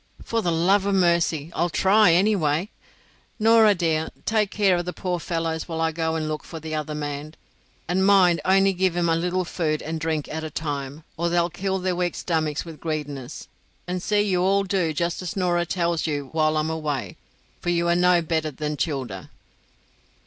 "For the love of mercy, I'll try, anyway. Norah, dear, take care of the poor fellows while I go and look for the other man; and mind, only to give 'em a little food and drink at a time, or they'll kill their wake stomachs with greediness; and see you all do just as Norah tells you while I'm away, for you are no better than childer."